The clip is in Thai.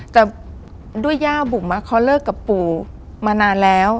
แต่ด้วยย่าบุ๋มเขาเลิกกับปู่มานานแล้ว